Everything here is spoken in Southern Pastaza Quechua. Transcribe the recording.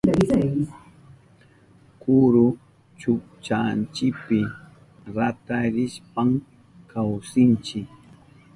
Kuru chukchanchipi ratarishpan chawsinchi.